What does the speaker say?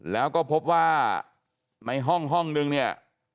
แล้วก็พบว่าในห้องห้องนึงเนี่ย